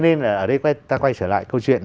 nên là ở đây ta quay trở lại câu chuyện